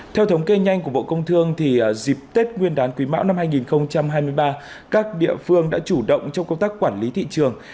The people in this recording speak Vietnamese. theo thống kê nhanh của bộ công thương dịp tết nguyên đán quý mão năm hai nghìn hai mươi ba các địa phương đã chủ động trong công tác quản lý thị trường